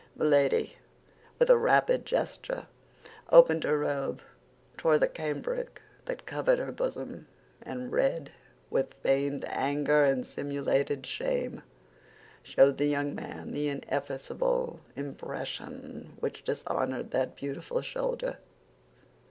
Milady, with a rapid gesture, opened her robe, tore the cambric that covered her bosom, and red with feigned anger and simulated shame, showed the young man the ineffaceable impression which dishonored that beautiful shoulder.